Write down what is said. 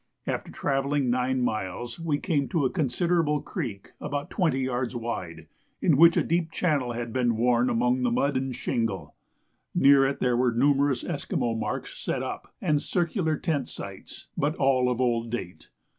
After travelling nine miles we came to a considerable creek, about twenty yards wide, in which a deep channel had been worn among the mud and shingle. Near it there were numerous Esquimaux marks set up, and circular tent sites, but all of old date.